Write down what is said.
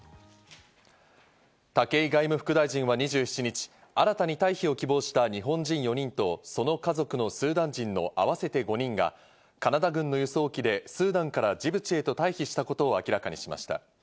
武井外務副大臣は２７日、新たに退避を希望した日本人４人とその家族のスーダン人の合わせて５人がカナダ軍の輸送機でスーダンからジブチへと退避したことを明らかにしました。